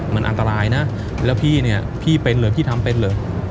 มันอันตรายนะแล้วพี่เนี่ยพี่เป็นเหรอพี่ทำเป็นเหรอ